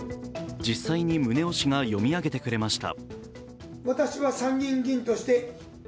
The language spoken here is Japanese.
実際に宗男氏が読み上げてくれました。